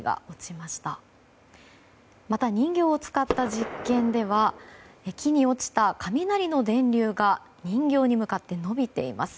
また、人形を使った実験では木に落ちた雷の電流が人形に向かって伸びています。